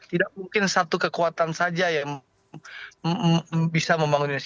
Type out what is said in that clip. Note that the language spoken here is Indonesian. tidak mungkin satu kekuatan saja yang bisa membangun indonesia